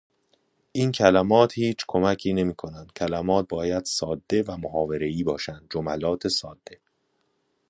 کریپتوژنیک